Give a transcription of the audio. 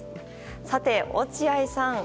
さて、落合さん